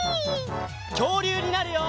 きょうりゅうになるよ！